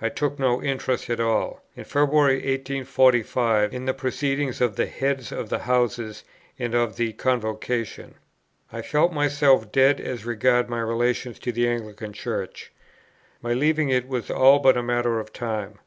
I took no interest at all, in February, 1845, in the proceedings of the Heads of Houses and of the Convocation. I felt myself dead as regarded my relations to the Anglican Church. My leaving it was all but a matter of time.